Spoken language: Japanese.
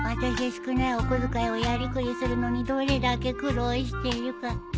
少ないお小遣いをやりくりするのにどれだけ苦労しているか。